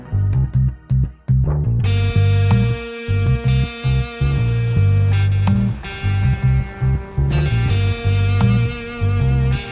ini baru bagus ini semangat semua